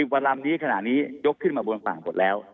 วันลำนี้ขณะนี้ยกขึ้นมาบนฝั่งหมดแล้ว